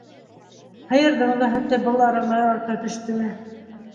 Һыйырҙың да һөтө был арала арта төштө.